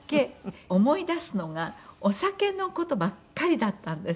思い出すのがお酒の事ばっかりだったんです。